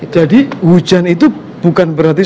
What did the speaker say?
jadi hujan itu bukan berarti